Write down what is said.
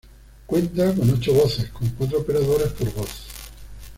Cuenta con ocho voces, con cuatro operadores por voz.